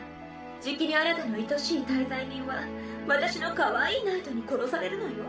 じきにあなたの愛しい大罪人は私のかわいいナイトに殺されるのよ。